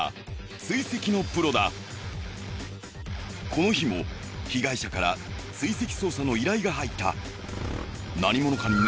この日も被害者から追跡捜査の依頼が入った。